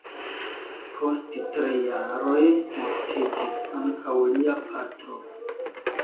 Post tri jaroj mortiĝis ankaŭ lia patro.